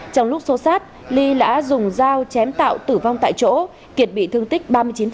trong lúc xô sát ly đã dùng dao chém tạo tử vong tại chỗ kiệt bị thương tích ba mươi chín